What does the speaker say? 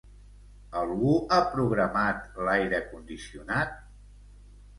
Algú ha programat l'aire condicionat?